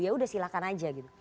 ya udah silahkan aja gitu